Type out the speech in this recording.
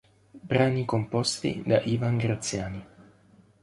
Brani composti da Ivan Graziani